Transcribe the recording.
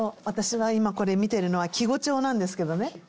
私は今これ見てるのは季語帳なんですけどね。